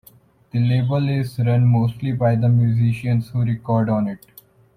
The label is run mostly by the musicians who record on it.